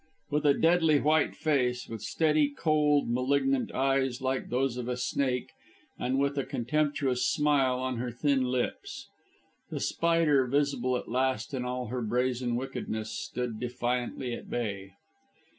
With a deadly white face, with steady, cold, malignant eyes, like those of a snake, and with a contemptuous smile on her thin lips. The Spider, visible at last in all her brazen wickedness, stood defiantly at bay.